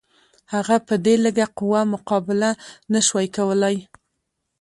هغه په دې لږه قوه مقابله نه شوای کولای.